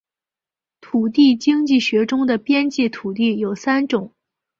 土地经济学中的边际土地有三种